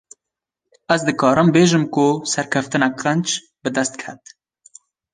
Ez dikarim bêjim ku serkeftineke qenc, bi dest ket